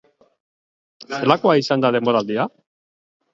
Zelakoa izan da denboraldia?